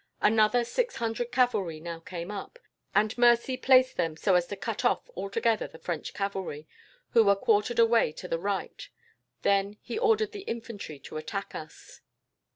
Another six hundred cavalry now came up, and Mercy placed them so as to cut off, altogether, the French cavalry, who were quartered away to the right; then he ordered the infantry to attack us.